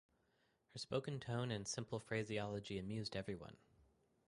Her spoken tone and simple phraseology amused everyone.